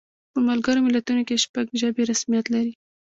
په ملګرو ملتونو کې شپږ ژبې رسمیت لري.